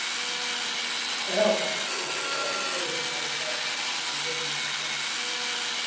L is the gravitational capture equilibrium point.